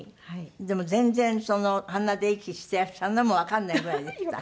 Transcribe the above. でも全然鼻で息していらっしゃるのもわかんないぐらいでした。